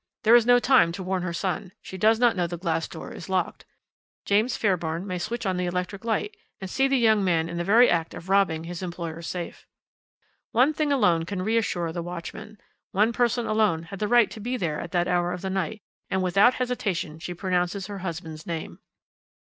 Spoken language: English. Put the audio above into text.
There is no time to warn her son; she does not know the glass door is locked; James Fairbairn may switch on the electric light and see the young man in the very act of robbing his employers' safe. "One thing alone can reassure the watchman. One person alone had the right to be there at that hour of the night, and without hesitation she pronounces her husband's name.